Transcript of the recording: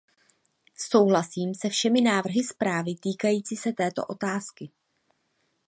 Souhlasím se všemi návrhy zprávy týkajícími se této otázky.